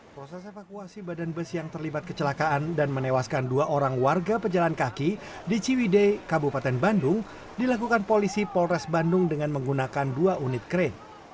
proses evakuasi badan bus yang terlibat kecelakaan dan menewaskan dua orang warga pejalan kaki di ciwide kabupaten bandung dilakukan polisi polres bandung dengan menggunakan dua unit kren